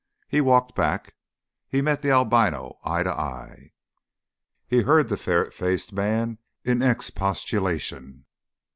He walked back. He met the albino eye to eye. He heard the ferret faced man in expostulation.